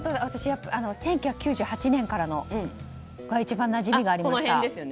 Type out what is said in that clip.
私１９９８年からのものが一番なじみがありました。